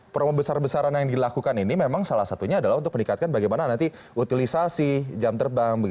promo besar besaran yang dilakukan ini memang salah satunya adalah untuk meningkatkan bagaimana nanti utilisasi jam terbang